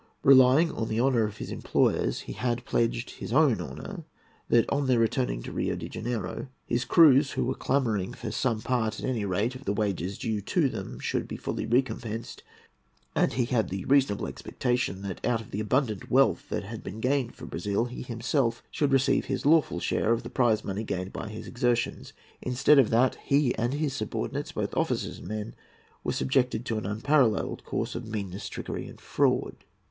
Relying on the honour of his employers, he had pledged his own honour, that on their returning to Rio de Janeiro, his crews, who were clamouring for some part, at any rate, of the wages due to them, should be fully recompensed, and he had the reasonable expectation, that, out of the abundant wealth that he had gained for Brazil, he himself should receive his lawful share of the prize money gained by his exertions. Instead of that he and his subordinates, both officers and men, were subjected to an unparalleled course of meanness, trickery, and fraud.